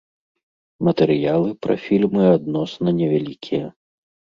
Матэрыялы пра фільмы адносна невялікія.